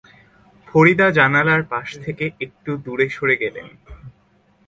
ফরিদা জানালার পাশ থেকে একটু দূরে সরে গেলেন।